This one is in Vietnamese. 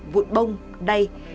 một bông đầy